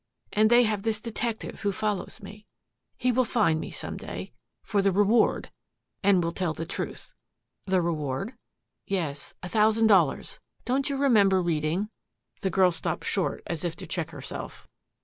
And they have this detective who follows me. He will find me some day for the reward and will tell the truth." "The reward?" "Yes a thousand dollars. Don't you remember reading " The girl stopped short as if to check herself.